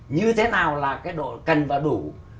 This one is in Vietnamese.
như thế nào là cái độ cần và đủ